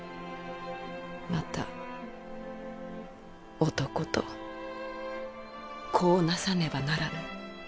また男と子をなさねばならぬ。